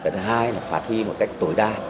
thứ hai là phát huy một cách tối đa